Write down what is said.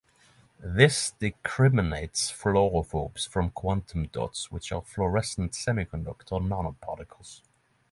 This discriminates fluorophores from quantum dots, which are fluorescent semiconductor nanoparticles.